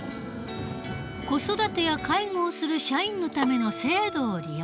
子育てや介護をする社員のための制度を利用しているのだ。